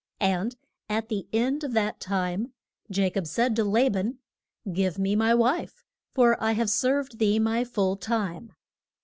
And at the end of that time Ja cob said to La ban, Give me my wife, for I have served thee my full time.